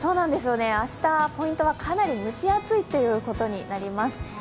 明日、ポイントはかなり蒸し暑いということになります。